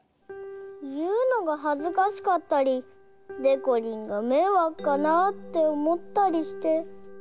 いうのがはずかしかったりでこりんがめいわくかなっておもったりして。